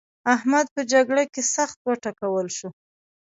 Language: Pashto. احمد په جګړه کې سخت وټکول شو.